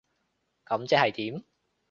噉即係點？